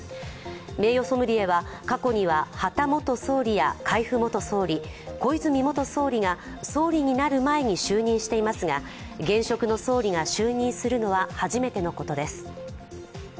名誉ソムリエは過去には羽田元総理や海部元総理、小泉元総理が総理になる前に就任していますが現職の総理が就任するのは初めてのことです。